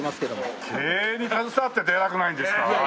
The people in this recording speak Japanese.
経営に携わってて偉くないんですか？